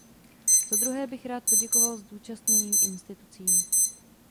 Zadruhé bych rád poděkoval zúčastněným institucím.